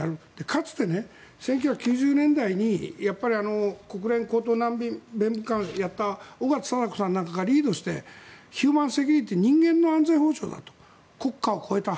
かつて１９９０年代に国連高等難民弁務官をやった緒方貞子さんなんかがリードしてヒューマンセキュリティー国家を超えた。